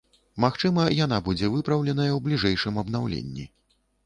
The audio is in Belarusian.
Магчыма, яна будзе выпраўленая ў бліжэйшым абнаўленні.